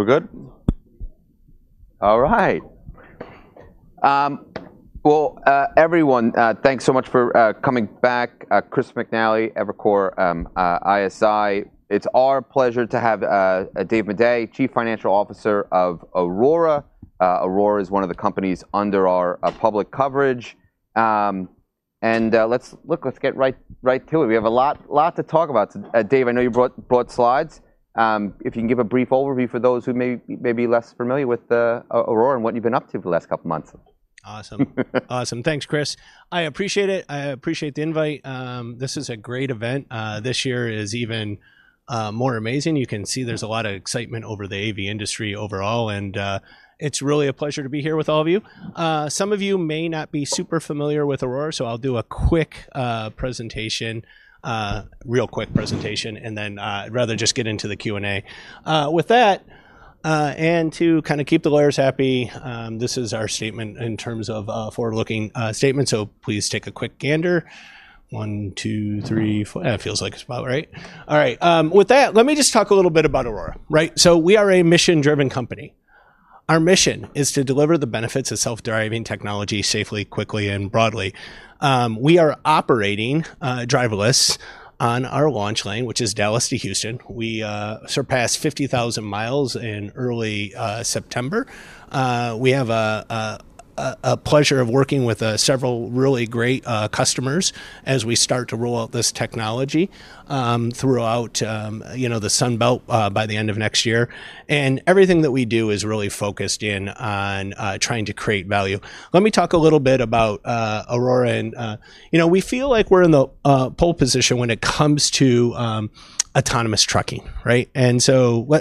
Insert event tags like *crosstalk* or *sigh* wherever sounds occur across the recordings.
We're good. All right, everyone, thanks so much for coming back. Chris McNally, Evercore ISI. It's our pleasure to have Dave Maday, Chief Financial Officer of Aurora. Aurora is one of the companies under our public coverage. Let's get right to it. We have a lot to talk about. Dave, I know you brought slides. If you can give a brief overview for those who may be less familiar with Aurora and what you've been up to for the last couple months. Awesome, awesome. Thanks, Chris. I appreciate it. I appreciate the invite. This is a great event. This year is even more amazing. You can see there's a lot of excitement over the AV industry overall, and it's really a pleasure to be here with all of you. Some of you may not be super familiar with Aurora, so I'll do a quick presentation, real quick presentation, and then I'd rather just get into the Q and A with that. To kind of keep the lawyers happy, this is our statement in terms of forward-looking statements. Please take a quick gander. One, two, three, four. It feels like it's about right. All right, with that, let me just talk a little bit about Aurora. Right. We are a mission-driven company. Our mission is to deliver the benefits of self-driving technology safely, quickly, and broadly. We are operating driverless on our launch lane, which is Dallas to Houston. We surpassed 50,000 mi in early September. We have the pleasure of working with several really great customers as we start to roll out this technology throughout the Sun Belt by the end of next year. Everything that we do is really focused in on trying to create value. Let me talk a little bit about Aurora. We feel like we're in the pole position when it comes to autonomous trucking.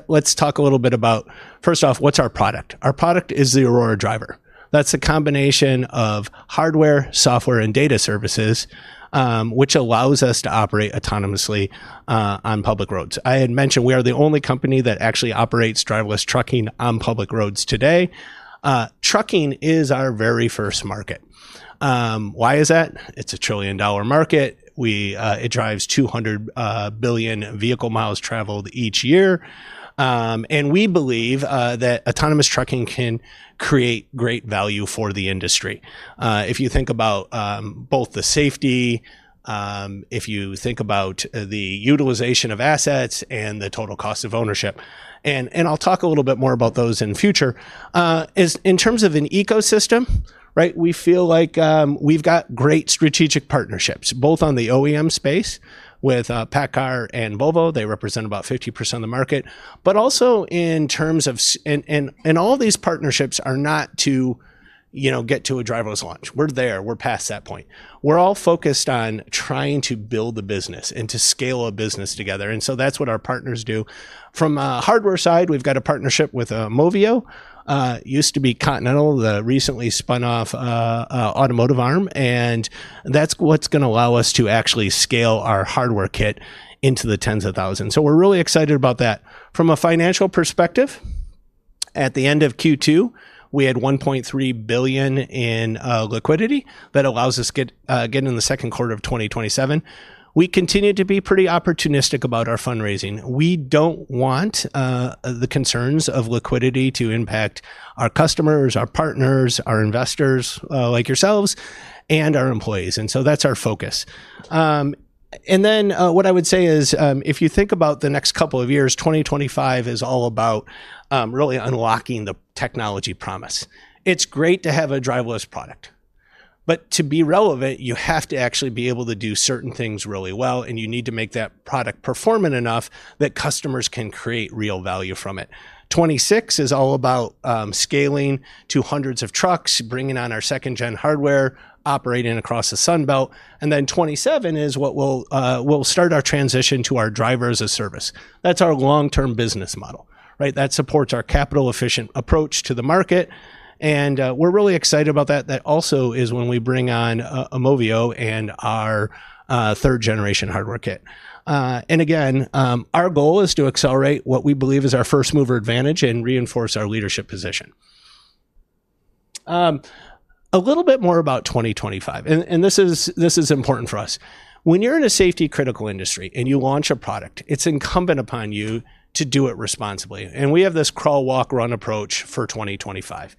Let's talk a little bit about, first off, what's our product? Our product is the Aurora Driver. That's a combination of hardware, software, and data services, which allows us to operate autonomously on public roads. I had mentioned we are the only company that actually operates driverless trucking on public roads today. Trucking is our very first market. Why is that? It's a trillion dollar market. It drives $200 billion vehicle miles traveled each year, and we believe that autonomous trucking can create great value for the industry. If you think about both the safety, if you think about the utilization of assets and the total cost of ownership, I'll talk a little bit more about those in future. In terms of an ecosystem, we feel like we've got great strategic partnerships both on the OEM space with PACCAR and Volvo. They represent about 50% of the market, but also in terms of, and all these partnerships are not to get to a driverless launch. We're there, we're past that point. We're all focused on trying to build a business and to scale a business together. That's what our partners do. From a hardware side, we've got a partnership with AuAumovio, used to be Continental, the recently spun off automotive arm. That's what's going to allow us to actually scale our hardware kit into the tens of thousands. We're really excited about that from a financial perspective. At the end of Q2, we had $1.3 billion in liquidity that allows us to get into the second quarter of 2027. We continue to be pretty opportunistic about our fundraising. We don't want the concerns of liquidity to impact our customers, our partners, our investors like yourselves, and our employees. That's our focus. What I would say is, if you think about the next couple of years, 2025 is all about really unlocking the technology promise. It's great to have a driverless product, but to be relevant you have to actually be able to do certain things really well, and you need to make that product performant enough that customers can create real value from it. 2026 is all about scaling to hundreds of trucks, bringing on our second generation hardware, operating across the Sun Belt. 2027 is what will start our transition to our driver-as-a-service. That's our long term business model. That supports our capital-efficient approach to the market, and we're really excited about that. That also is when we bring on Aumovio and our third-generation hardware kit. Our goal is to accelerate what we believe is our first mover advantage and reinforce our leadership position. A. Little bit more about 2025. This is important for us. When you're in a safety-critical industry and you launch a product, it's incumbent upon you to do it responsibly. We have this crawl, walk, run approach for 2025.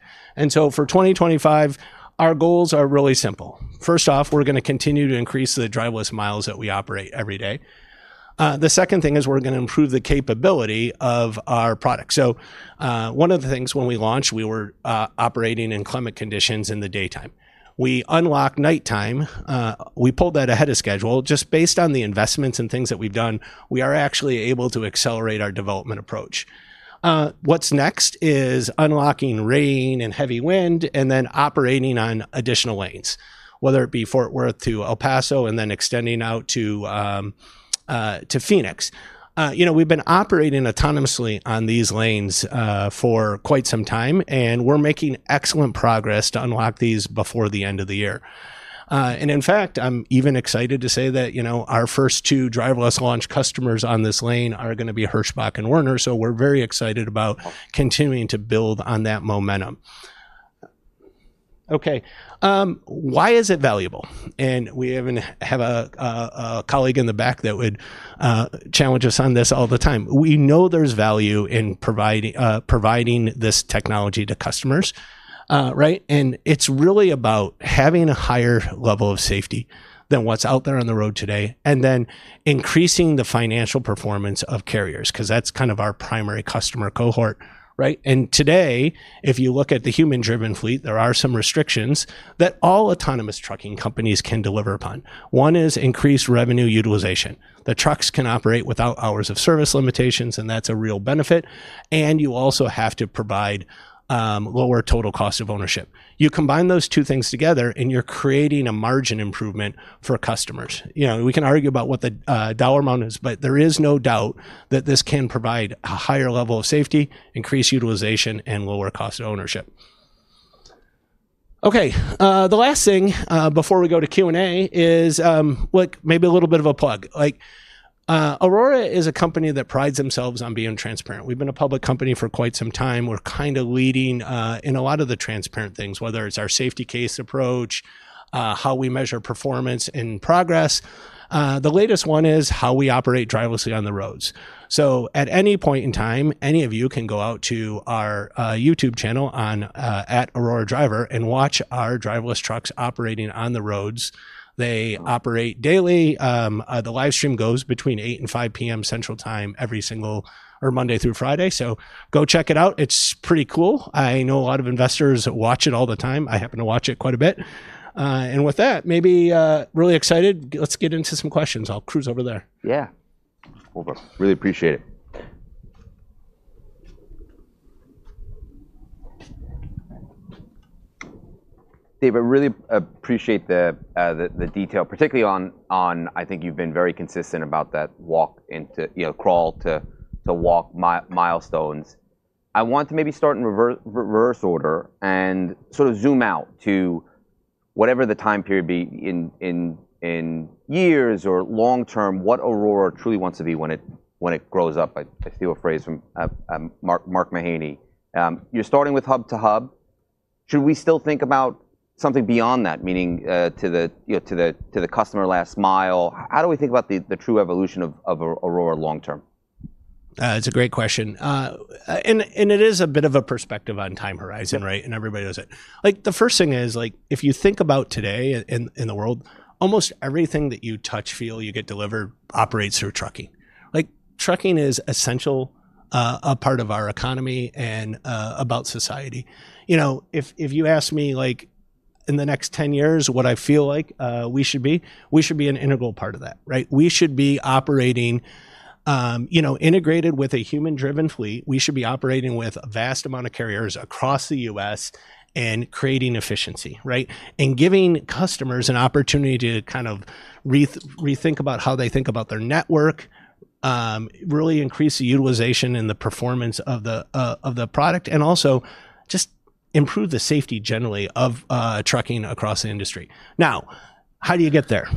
For 2025 our goals are really simple. First off, we're going to continue to increase the driverless miles that we operate every day. The second thing is we're going to improve the capability of our product. One of the things when we launched, we were operating in clear conditions in the daytime. We unlocked nighttime. We pulled that ahead of schedule just based on the investments and things that we've done. We are actually able to accelerate our development approach. What's next is unlocking rain and heavy wind and then operating on additional lanes, whether it be Fort Worth to El Paso and then extending out to Phoenix. We've been operating autonomously on these lanes for quite some time and we're making excellent progress to unlock these before the end of the year. In fact, I'm even excited to say that our first two driverless launch customers on this lane are going to be Hirschbach and Werner. We're very excited about continuing to build on that momentum. Why is it valuable? We even have a colleague in the back that would challenge us on this all the time. We know there's value in providing this technology to customers. It's really about having a higher level of safety than what's out there on the road today and then increasing the financial performance of carriers because that's kind of our primary customer cohort. Today, if you look at the human-driven fleet, there are some restrictions that all autonomous trucking companies can deliver upon. One is increased revenue utilization. The trucks can operate without hours of service limitations, and that's a real benefit. You also have to provide lower total cost of ownership. You combine those two things together and you're creating a margin improvement for customers. We can argue about what the dollar amount is, but there is no doubt that this can provide a higher level of safety, increased utilization, and lower cost of ownership. The last thing before we go to Q and A is maybe a little bit of a plug. Aurora is a company that prides themselves on being transparent. We've been a public company for quite some time. We're kind of leading in a lot of the transparent things, whether it's our safety case approach, how we measure performance and progress. The latest one is how we operate driverlessly on the roads. At any point in time, any of you can go out to our YouTube channel on Aurora Driver and watch our driverless trucks operating on the roads. They operate daily. The live stream goes between 8:00 A.M. and 5:00 P.M. Central Time every single Monday through Friday. Go check it out. It's pretty cool. I know a lot of investors watch it all the time. I happen to watch it quite a bit. With that, maybe really excited. Let's get into some questions. I'll cruise over there. Yeah, really appreciate it, Dave. I really appreciate the detail, particularly on, I think you've been very consistent about that walk into, you know, crawl to walk milestones. I want to maybe start in reverse order and sort of zoom out to whatever the time period be in years or long term. What Aurora truly wants to be when it grows up. If I steal a phrase from Mark Mahaney, you're starting with hub to hub. Should we still think about something beyond that, meaning to the customer, last mile, how do we think about the true evolution of Aurora long term? That's a great question, and it is a bit of a perspective on time horizon, and everybody does it. The first thing is, if you think about today in the world, almost everything that you touch, feel, you get delivered, operates through trucking. Trucking is essential, a part of our economy and about society. If you ask me, in the next 10 years, what I feel like we should be, we should be an integral part of that. We should be operating integrated with a human-driven fleet. We should be operating with a vast amount of carriers across the U.S. and creating efficiency, giving customers an opportunity to rethink about how they think about their network, really increase the utilization and the performance of the product, and also just improve the safety generally of trucking across the industry. Now, how do you get there?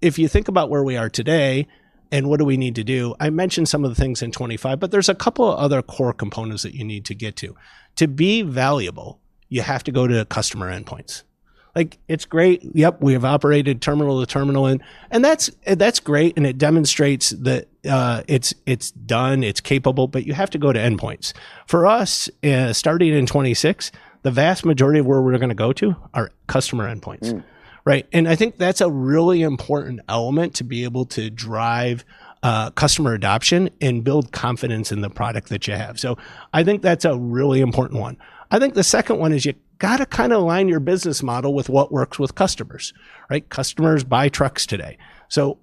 If you think about where we are today and what do we need to do, I mentioned some of the things in 2025, but there's a couple of other core components that you need to get to to be valuable. You have to go to customer endpoints. It's great, we have operated terminal to terminal, and that's great, and it demonstrates that it's done, it's capable. You have to go to endpoints. For us, starting in 2026, the vast majority of where we're going to go to are customer endpoints, and I think that's a really important element to be able to drive customer adoption and build confidence in the product that you have. I think that's a really important one. I think the second one is you gotta kind of align your business model with what works with customers. Customers buy trucks today.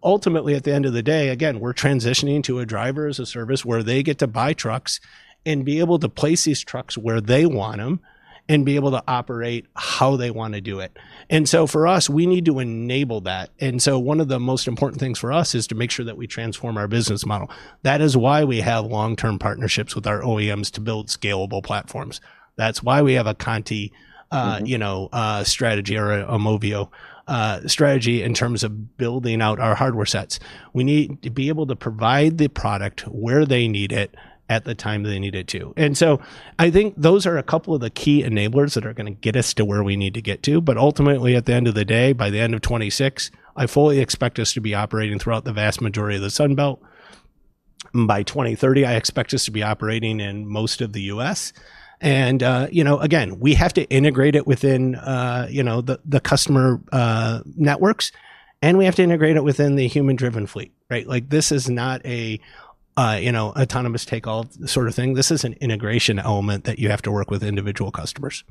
Ultimately, at the end of the day, again, we're transitioning to a driver-as-a-service where they get to buy trucks and be able to place these trucks where they want them and be able to operate how they want to do it. For us, we need to enable that. One of the most important things for us is to make sure that we transform our business model. That is why we have long-term partnerships with our OEMs to build scalable platforms. That is why we have a Conti strategy or a Aumovio strategy in terms of building out our hardware sets. We need to be able to provide the product where they need it at the time they need it too. I think those are a couple of the key enablers that are going to get us to where we need to get to. Ultimately, at the end of the day, by the end of 2026, I fully expect us to be operating throughout the vast majority of the Sun Belt. By 2030, I expect us to be operating in most of the U.S., and we have to integrate it within the customer networks and we have to integrate it within the human-driven fleet. This is not an autonomous take-all sort of thing. This is an integration element that you have to work with individual customers.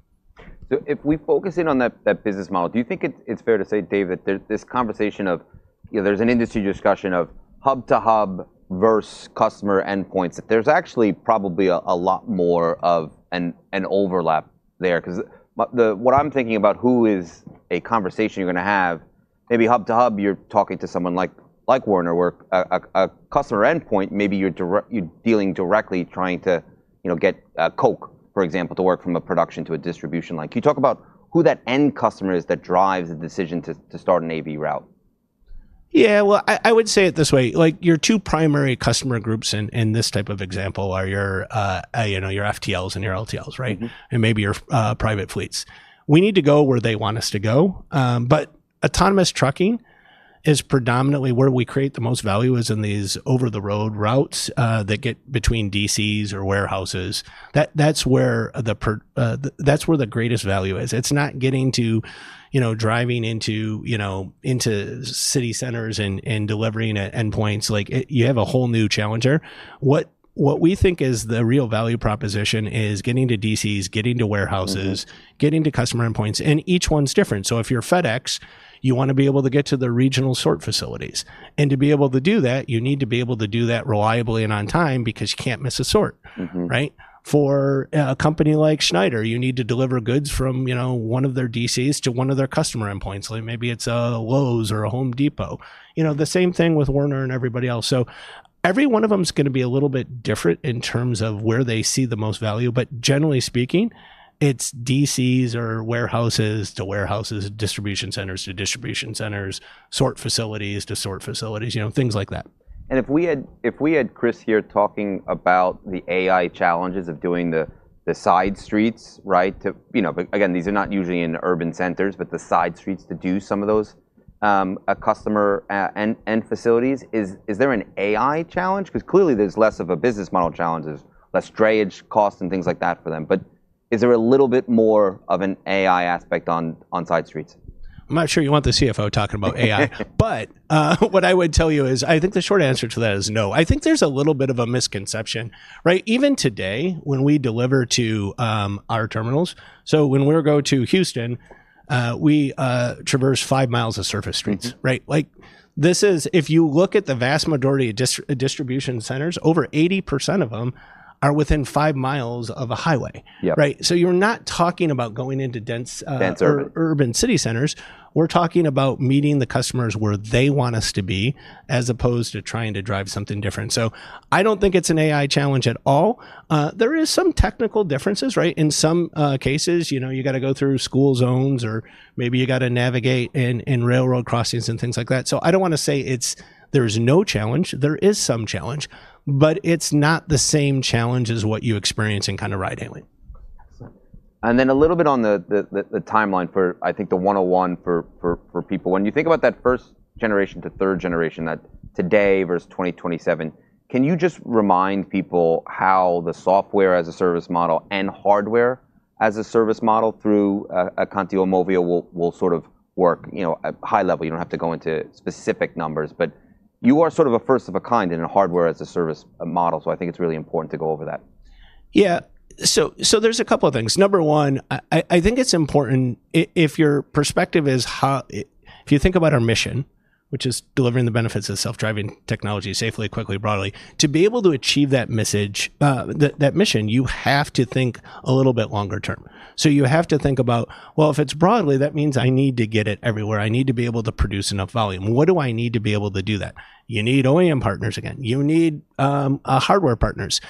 If we focus in on that business model, do you think it's fair to say, Dave, this conversation of, you know, there's an industry discussion of hub to hub versus customer endpoints that there's actually probably a lot more of an overlap there? Because what I'm thinking about, who is a conversation you're going to have, maybe hub to hub, you're talking to someone like, like Werner, where a customer endpoint, maybe you're direct, you're dealing directly, trying to, you know, get Coke, for example, to work from a production to a distribution. Like you talk about who that end customer is that drives the decision to start an AV route. Yeah, I would say it this way. Your two primary customer groups in this type of example are your FTLs and your LTLs, right, and maybe your private fleets. We need to go where they want us to go. Autonomous trucking is predominantly where we create the most value, in these over the road routes that get between DCs or warehouses. That's where the greatest value is. It's not getting to, you know, driving into, you know, into city centers and delivering endpoints like you have a whole new challenger. What we think is the real value proposition is getting to DCs, getting to warehouses, getting to customer endpoints, and each one's different. If you're FedEx, you want to be able to get to the regional sort facilities. To be able to do that, you need to be able to do that reliably and on time because you can't miss a sort, right. For a company like Schneider, you need to deliver goods from one of their DCs to one of their customer endpoints. Maybe it's a Lowe's or a Home Depot, the same thing with Werner and everybody else. Every one of them is going to be a little bit different in terms of where they see the most value. Generally speaking, it's DCs or warehouses to warehouses, distribution centers to distribution centers, sort facilities to sort facilities, things like that. If we had Chris here talking about the AI challenges of doing the side streets, right? These are not usually in urban centers, but the side streets to do some of those customer and facilities. Is there an AI challenge? Clearly there's less of a business model challenge, less drayage costs and things like that for them. Is there a little bit more of an AI aspect on side streets? I'm not sure you want the CFO talking about AI, but what I would tell you is I think the short answer to that is no. I think there's a little bit of a misconception. Even today when we deliver to our terminals, when we go to Houston, we traverse 5 mi of surface streets. If you look at the vast majority of distribution centers, over 80% of them are within 5 mi of a highway. You're not talking about going into dense urban city centers. We're talking about meeting the customers where they want us to be as opposed to trying to drive something different. I don't think it's an AI challenge at all. There are some technical differences. In some cases you got to go through school zones or maybe you got to navigate in railroad crossings and things like that. I don't want to say there is no challenge. There is some challenge, but it's not the same challenge as what you experience in kind of ride hailing. A little bit on the timeline for, I think, the 101 for people. When you think about that first generation to third generation, that today versus 2027, can you just remind people how the software-as-a-service model and hardware-as-a-service model through Continental, Aumovio will sort of work at a high level? You don't have to go into specific numbers, but you are sort of a first of a kind in a hardware-as-a-service model. I think it's really important to go over that. Yeah. There's a couple of things. Number one, I think it's important if your perspective is if you think about our mission, which is delivering the benefits of self-driving technology safely, quickly, broadly, to be able to achieve that mission, you have to think a little bit longer term. You have to think about, if it's broadly, that means I need to get it everywhere. I need to be able to produce enough volume. What do I need to be able to do that? You need OEM partners, you need hardware partners.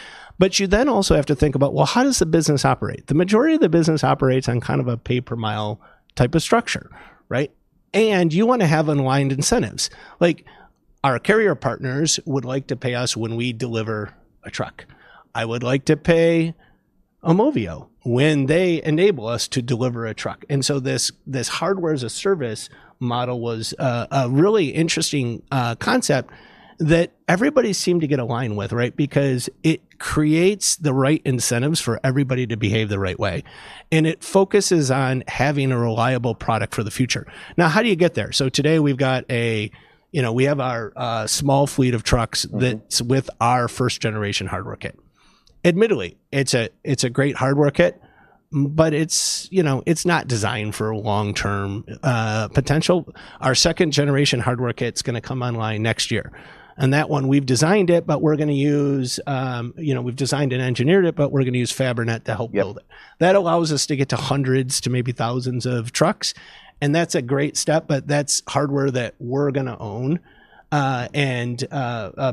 You also have to think about how does the business operate. The majority of the business operates on kind of a pay per mile type of structure. You want to have aligned incentives, like our carrier partners would like to pay us when we deliver a truck. I would like to pay Aumovio when they enable us to deliver a truck. This hardware-as-a-service model was a really interesting concept that everybody seemed to get aligned with because it creates the right incentives for everybody to behave the right way and it focuses on having a reliable product for the future. Now, how do you get there? Today, we have our small fleet of trucks that's with our first generation hardware kit. Admittedly, it's a great hardware kit, but it's not designed for long-term potential. Our second generation hardware kit is going to come online next year and that one, we've designed it, we've designed and engineered it, but we're going to use Fabrinet to help build it. That allows us to get to hundreds, to maybe thousands of trucks, and that's a great step. That's hardware that we're going to own and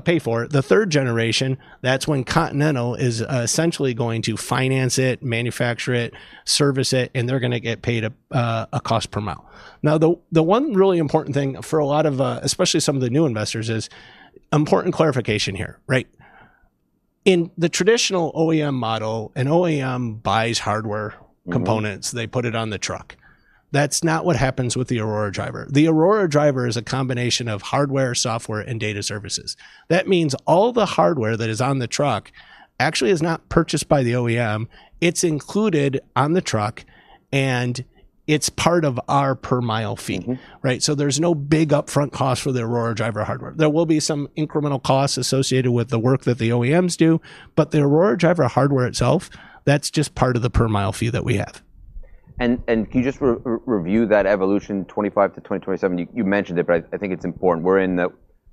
pay for. The third generation, that's when Continental is essentially going to finance it, manufacture it, service it, and they're going to get paid a cost per mile. One really important thing for a lot of especially some of the new investors is important clarification here. In the traditional OEM model, an OEM buys hardware components, they put it on the truck. That's not what happens with the Aurora Driver. The Aurora Driver is a combination of hardware, software, and data services. That means all the hardware that is on the truck actually is not purchased by the OEM. It's included on the truck and it's part of our per mile fee. There's no big upfront cost for the Aurora Driver hardware. There will be some incremental costs associated with the work that the OEMs do, but the Aurora Driver hardware itself, that's just part of the per mile fee that we have. Can you just review that evolution 2025 to 2027? You mentioned it, but I think it's important. We're in the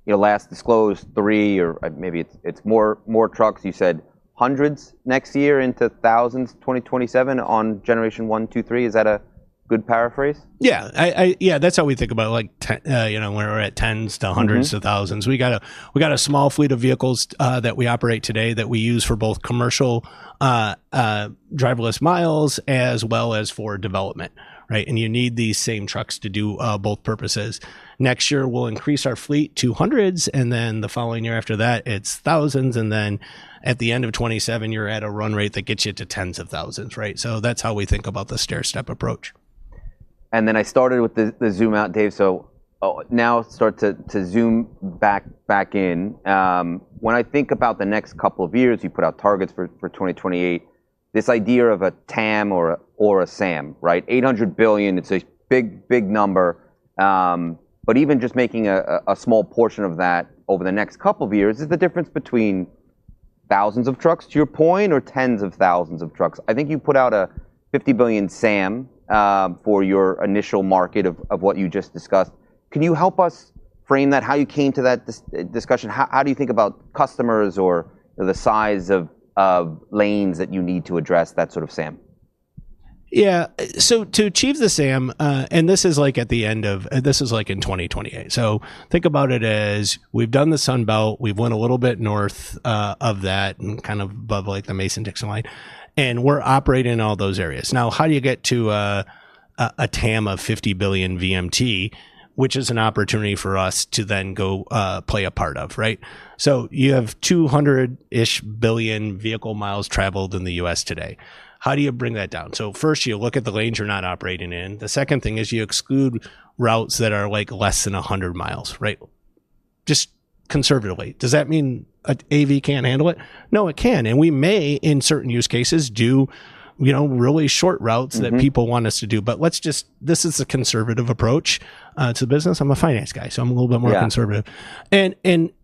last disclosed three or maybe it's more. More trucks. You said hundreds next year into thousands 2027 on generation one, two, three. Is that a good paraphrase? Yeah, yeah. That's how we think about, like, you know, we're at tens to hundreds of thousands. We got a small fleet of vehicles that we operate today that we use for both commercial driverless miles as well as for development, right. You need these same trucks to do both purposes. Next year we'll increase our fleet to hundreds, and the following year after that it's thousands. At the end of 2027, you're at a run rate that gets you to tens of thousands, right. That's how we think about the stair step approach. I started with the zoom out, Dave. Now start to zoom back in. When I think about the next couple of years, you put out targets for 2028. This idea of a TAM or a SAM, right, $800 billion. It's a big, big number. Even just making a small portion of that over the next couple of years is the difference between thousands of trucks, to your point, or tens of thousands of trucks. I think you put out a $50 billion SAM for your initial market of what you just discussed. Can you help us frame that, how you came to that discussion? How do you think about customers or the size of lanes that you need to address that sort of SAM? Yeah. To achieve the SAM, and this is at the end of, this is in 2028. Think about it as we've done the Sun Belt, we've went a little bit north of that and kind of above the Mason-Dixon Line, and we're operating in all those areas now. How do you get to a TAM of $50 billion VMT, which is an opportunity for us to then go play a part of, right? You have 200-ish billion vehicle miles traveled in the U.S. today. How do you bring that down? First, you look at the lanes you're not operating in. The second thing is you exclude routes that are less than 100 mi, right. Just conservatively, does that mean AV can't handle it? No, it can, and we may in certain use cases do really short routes that people want us to do. This is a conservative approach to business. I'm a finance guy, so I'm a little bit more conservative.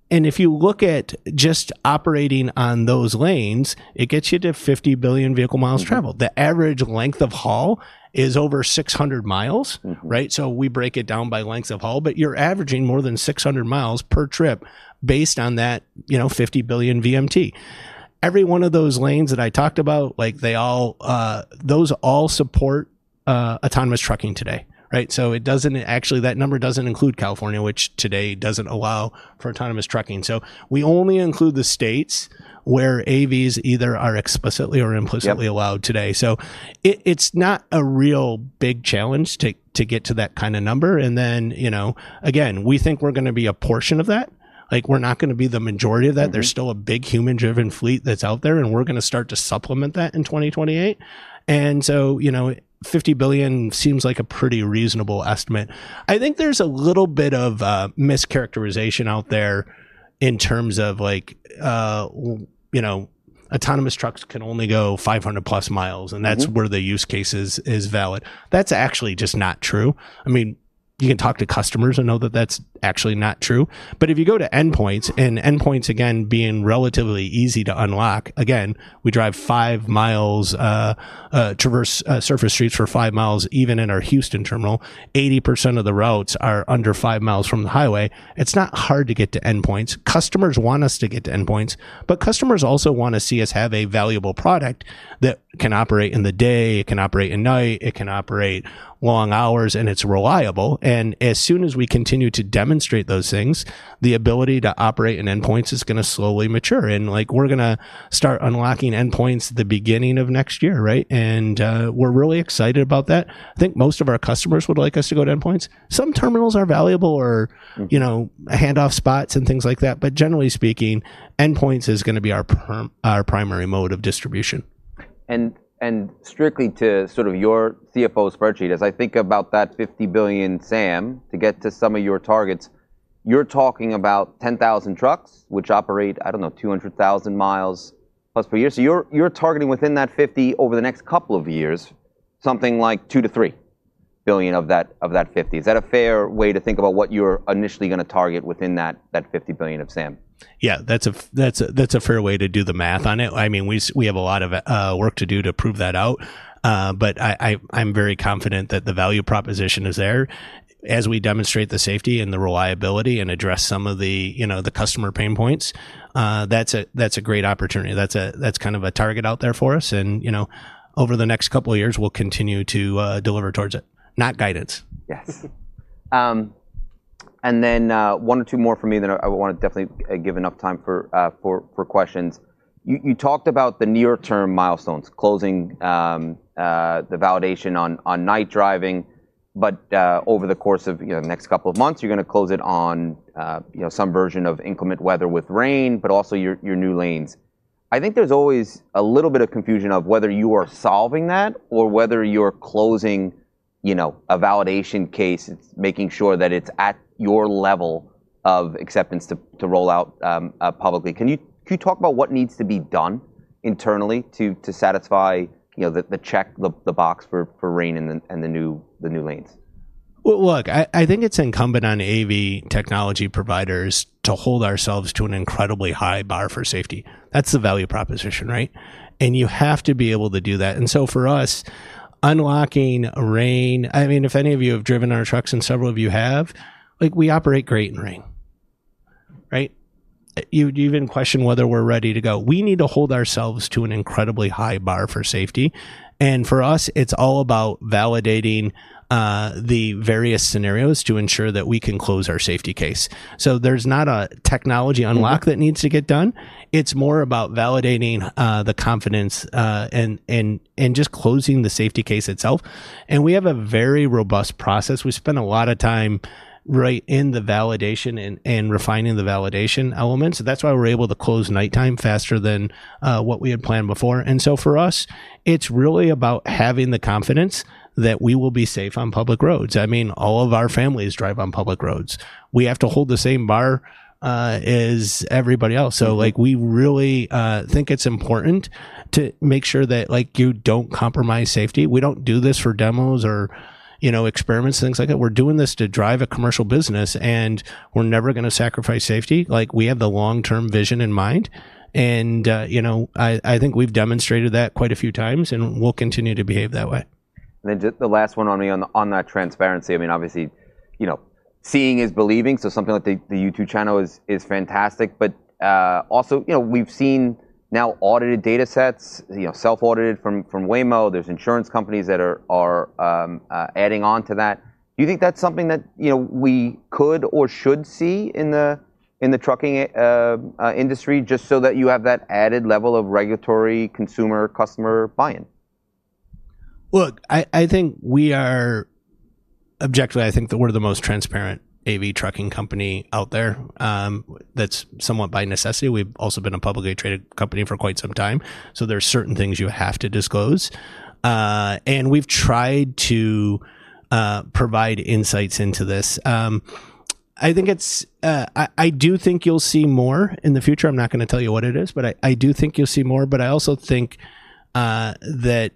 If you look at just operating on those lanes, it gets you to 50 billion vehicle miles traveled. The average length of haul is over 600 mi, right. We break it down by length of haul, but you're averaging more than 600 mi per trip based on that 50 billion VMT. Every one of those lanes that I talked about, those all support autonomous trucking today, right? That number doesn't include California, which today doesn't allow for autonomous trucking. We only include the states where AVs either are explicitly or implicitly allowed today. It's not a real big challenge to get to that kind of number. We think we're going to be a portion of that, like we're not going to be the majority of that. There's still a big human-driven fleet that's out there and we're going to start to supplement that in 2028. 50 billion seems like a pretty reasonable estimate. I think there's a little bit of mischaracterization out there in terms of autonomous trucks can only go 500+ mi and that's where the use case is valid. That's actually just not true. You can talk to customers and know that that's actually not true. If you go to endpoints, and endpoints again being relatively easy to unlock, we drive five miles, traverse surface streets for five miles. Even in our Houston terminal, 80% of the routes are under five miles from the highway. It's not hard to get to endpoints. Customers want us to get to endpoints, but customers also want to see us have a valuable product that can operate in the day, it can operate at night, it can operate long hours, and it's reliable. As soon as we continue to demonstrate those things, the ability to operate in endpoints is going to slowly mature. We're going to start unlocking endpoints at the beginning of next year. We're really excited about that. I think most of our customers would like us to go to endpoints. Some terminals are valuable or, you know, handoff spots and things like that. Generally speaking, endpoints is going to be our primary mode of distribution. Strictly to sort of your CFO spreadsheet. As I think about that $50 billion SAM, to get to some of your targets, you're talking about 10,000 trucks which operate, I don't know, 200,000+ mi per year. You're targeting within that $50 billion, over the next couple of years something like $2 billion-$3 billion of that $50 billion. Is that a fair way to think about what you're initially going to target within that $50 billion of SAM? Yeah, that's a fair way to do the math on it. I mean, we have a lot of work to do to prove that out. I'm very confident that the value proposition is there as we demonstrate the safety and the reliability and address some of the customer pain points. That's a great opportunity. That's kind of a target out there for us. Over the next couple of years, we'll continue to deliver towards it. Not guidance. Yes. One or two more for me, then I want to definitely give enough time for questions. You talked about the near term milestones, closing the validation on night driving. Over the course of the next couple of months, you're going to close it on some version of inclement weather with rain, but also your new lanes. I think there's always a little bit of confusion of whether you are solving that or whether you're closing, you know, a validation case. It's making sure that it's at your level of acceptance to roll out publicly. Can you talk about what needs to be done internally to satisfy the check the box for rain and the new lanes? I think it's incumbent on AV technology providers to hold ourselves to an incredibly high bar for safety. That's the value proposition and you have to be able to do that. For us, unlocking rain, I mean, if any of you have driven our trucks and several of you have, we operate great in rain, right. You even question whether we're ready to go, we need to hold ourselves to an incredibly high bar for safety. For us, it's all about validating the various scenarios to ensure that we can close our safety case. There's not a technology unlock that needs to get done. It's more about validating the confidence and just closing the safety case itself. We have a very robust process. We spend a lot of time in the validation and refining the validation elements. That's why we're able to close nighttime faster than what we had planned before. For us, it's really about having the confidence that we will be safe on public roads. All of our families drive on public roads. We have to hold the same bar as everybody else. We really think it's important to make sure that you don't compromise safety. We don't do this for demos or experiments, things like that. We're doing this to drive a commercial business and we're never going to sacrifice safety. We have the long term vision in mind. I think we've demonstrated that quite a few times and we'll continue to behave that way. The last one on that transparency, I mean obviously you know, seeing is believing. Something like the YouTube channel is fantastic. Also, you know, we've seen now audited data sets, you know, self-audited from Waymo. There are insurance companies that are adding on to that. Do you think that's something that you know, we could or should see in the trucking industry, just so that you have that added level of regulatory, consumer, customer buy-in? I think we are objectively, I think that we're the most transparent AV trucking company out there. That's somewhat by necessity. We've also been a publicly traded company for quite some time, so there's certain things you have to disclose, and we've tried to provide insights into this. I think you'll see more in the future. I'm not going to tell you what it is, but I do think you'll see more. I also think that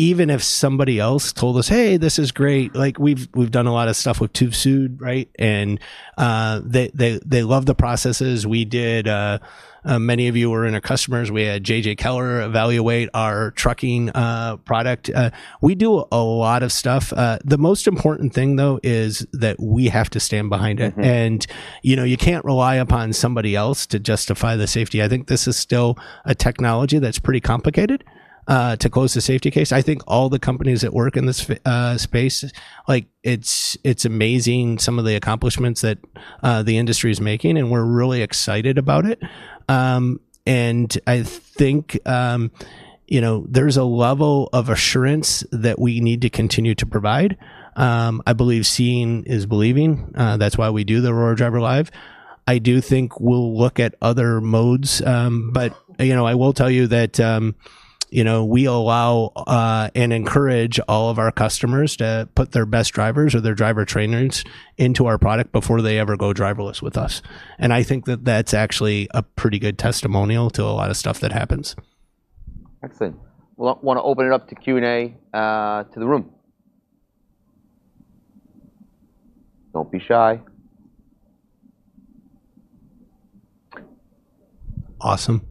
even if somebody else told us, hey, this is great, like we've done a lot of stuff with Tube sued, right? They love the processes we did. Many of you were in our customers. We had J.J. Keller evaluate our trucking product. We do a lot of stuff. The most important thing, though, is that we have to stand behind it, and you can't rely upon somebody else to justify the safety. I think this is still a technology that's pretty complicated to close the safety case. I think all the companies that work in this space, like it's amazing some of the accomplishments that the industry is making, and we're really excited about it. I think there's a level of assurance that we need to continue to provide. I believe seeing is believing. That's why we do the Aurora Driver live. I do think we'll look at other modes, but I will tell you that we allow and encourage all of our customers to put their best drivers or their driver trainers into our product before they ever go driverless with us. I think that that's actually a pretty good testimonial to a lot of stuff that happens. Excellent. Want to open it up to Q and A to the room? Don't be shy. Awesome.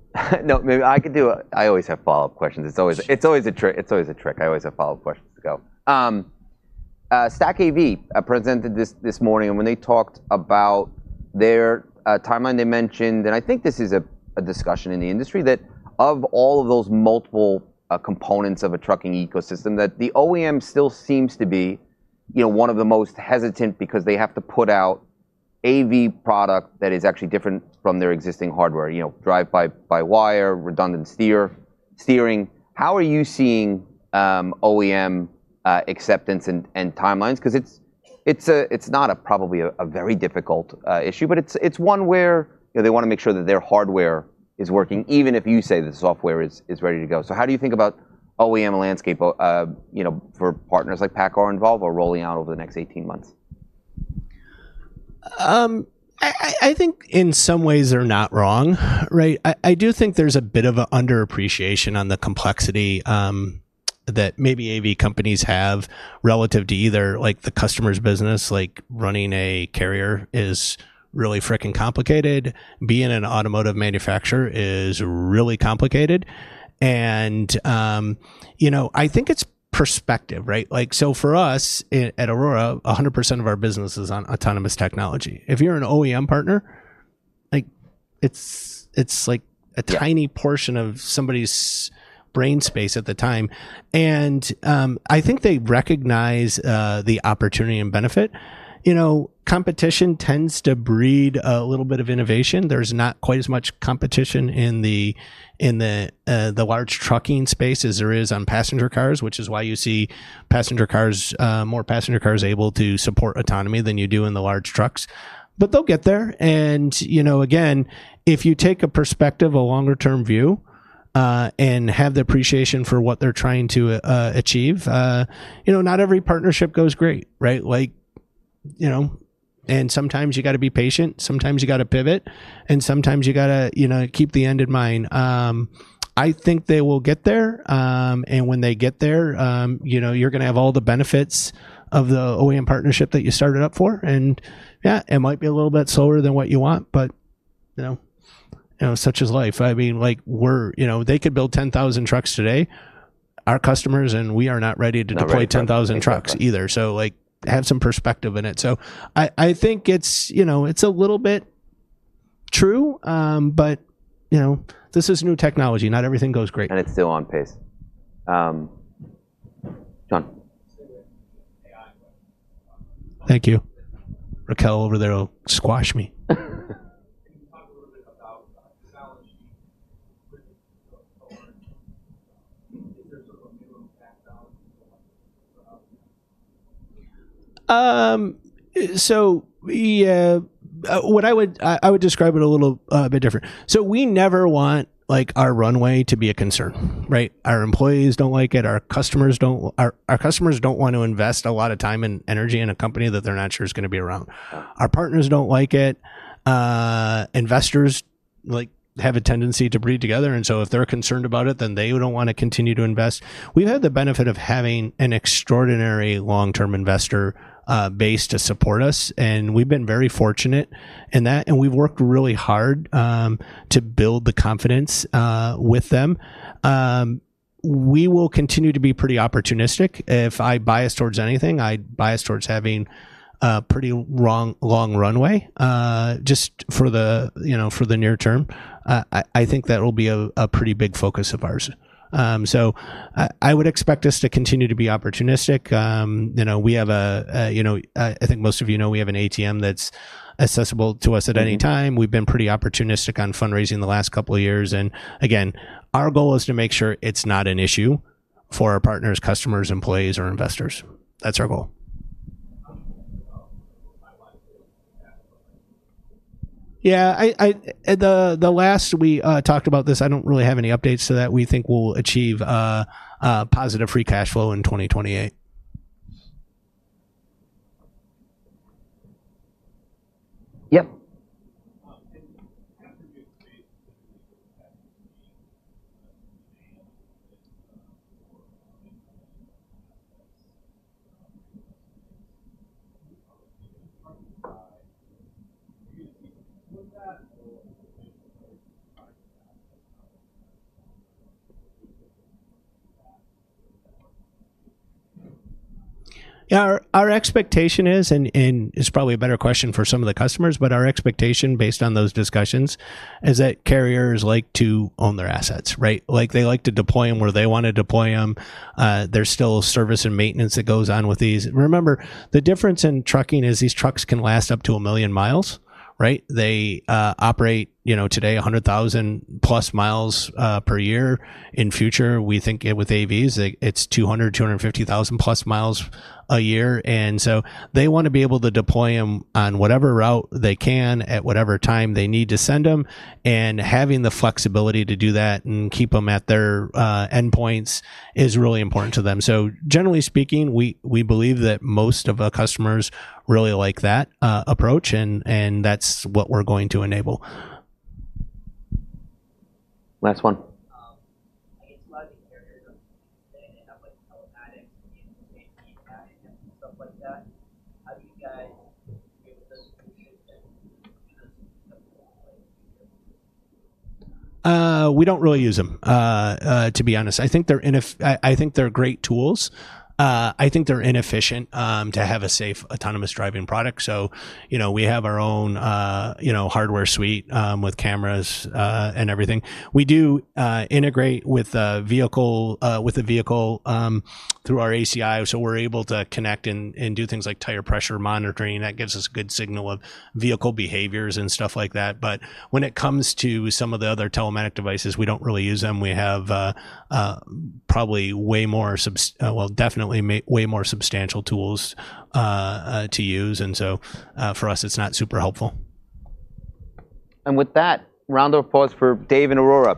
Maybe I could do. I always have follow up questions. It's always a trick. I always have follow up questions. Stack AV presented this this morning and when they talked about their timeline they mentioned, and I think this is a discussion in the industry, that of all of those multiple components of a trucking ecosystem, the OEM still seems to be, you know, one of the most hesitant because they have to put out AV product that is actually different from their existing hardware. You know, drive by wire, redundant steer, steering. How are you seeing OEM acceptance and timelines? Because it's not a, probably a very difficult issue, but it's one where they want to make sure that their hardware is working, even if you say the software is ready to go. How do you think about OEM landscape, you know, for partners like PACCAR involved or rolling out over the next 18 months? I think in some ways they're not wrong. I do think there's a bit of an underappreciation on the complexity that maybe AV companies have relative to either like the customer's business. Like running a carrier is really freaking complicated. Being an automotive manufacturer is really complicated. I think it's perspective, right. For us at Aurora 100% of our business is on autonomous technology. If you're an OEM partner, it's like a tiny portion of somebody's brain space at the time. I think they recognize the opportunity and benefit. Competition tends to breed a little bit of innovation. There's not quite as much competition in the large trucking space as there is on passenger cars, which is why you see more passenger cars able to support autonomy than you do in the large trucks. They'll get there. If you take a perspective, a longer term view and have the appreciation for what they're trying to achieve, not every partnership goes great and sometimes you have to be patient, sometimes you have to pivot, and sometimes you have to keep the end in mind. I think they will get there and when they get there, you're going to have all the benefits of the OEM partnership that you started up for. It might be a little bit slower than what you want, but such is life. We're, you know, they could build 10,000 trucks today. Our customers and we are not ready to deploy 10,000 trucks either. Have some perspective in it. I think it's a little bit true. This is new technology. Not everything goes great. And it's still on pace. Thank you. Raquel over there will squash me. I would describe it a little bit different. We never want our runway to be a constraint. Our employees don't like it. Our customers don't want to invest a lot of time and energy in a company that they're not sure is going to be around. Our partners don't like it. Investors have a tendency to breed together, and if they're concerned about it, then they don't want to continue to invest. We've had the benefit of having an extraordinary long-term investor base to support us, and we've been very fortunate in that. We've worked really hard to build the confidence with them. We will continue to be pretty opportunistic. If I bias towards anything, I bias towards having pretty long runway just for the near term. I think that will be a pretty big focus of ours. I would expect us to continue to be opportunistic. I think most of you know we have an ATM that's accessible to us at any time. We've been pretty opportunistic on fundraising the last couple of years. Our goal is to make sure it's not an issue for our partners, customers, employees, or investors. That's our goal. The last we talked about this, I don't really have any updates to that. We think we'll achieve positive free cash flow in 2028. Our expectation is, and it's probably a better question for some of the customers, but our expectation based on those discussions is that carriers like to own their assets. They like to deploy them where they want to deploy them. There's still service and maintenance that goes on with these. Remember the difference in trucking is these trucks can last up to 1 million mi. They operate today, 100,000+ mi per year. In future, we think with AVs, it's 200,000, 250,000+ mi a year. They want to be able to deploy them on whatever route they can at whatever time they need to send them. Having the flexibility to do that and keep them at their endpoints is really important to them. Generally speaking, we believe that most of our customers really like that approach and that's what we're going to enable. Last one. *audio distortion* We don't really use them, to be honest. I think they're great tools. I think they're inefficient to have a safe autonomous driving product. We have our own hardware suite with cameras and everything. We do integrate with the vehicle through our ACI, so we're able to connect and do things like tire pressure monitoring that gives us good signal of vehicle behaviors and stuff like that. When it comes to some of the other telematic devices, we don't really use them. We have probably way more, definitely way more substantial tools to use. For us, it's not super helpful. With that, round of applause for Dave and Aurora.